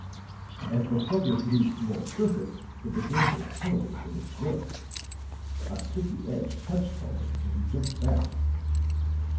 As the Plugger produced more surface, it began to accelerate in its growth. A sticky edge touched Hellman, and he jumped back.